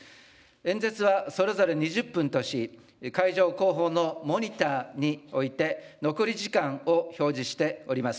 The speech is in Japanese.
演説はそれぞれ２０分とし、会場後方のモニターにおいて、残り時間を表示しております。